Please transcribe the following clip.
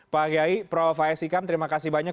pak kiai prof haji sikam terima kasih banyak